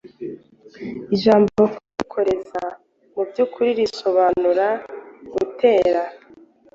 Ijambo "kwikoreza" mu by’ukuri risobanura gutera